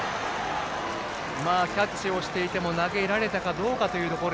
キャッチをしていても投げられたかどうかというところ。